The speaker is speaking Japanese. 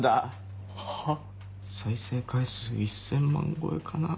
再生回数１０００万超えかなぁ。